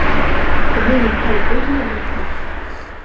Jag blir nog aldrig mogen för det.